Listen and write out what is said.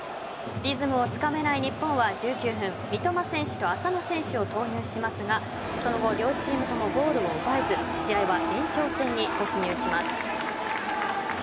リズムをつかめない日本は１９分三笘選手と浅野選手を投入しますがその後両チームともゴールを奪えず試合は延長戦に突入します。